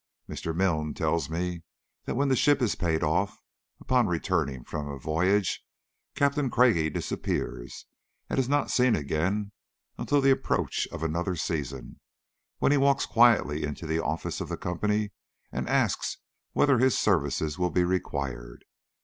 Mr. Milne tells me that when the ship is paid off, upon returning from a voyage, Captain Craigie disappears, and is not seen again until the approach of another season, when he walks quietly into the office of the company, and asks whether his services will be required.